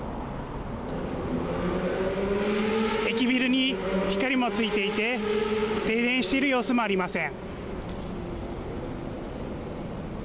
駅ビルに光もついていて停電している様子もありません。